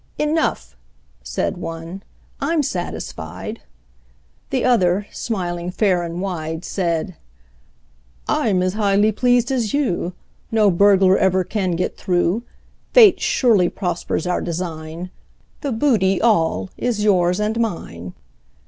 "Enough," said one: "I'm satisfied." The other, smiling fair and wide, Said: "I'm as highly pleased as you: No burglar ever can get through. Fate surely prospers our design The booty all is yours and mine."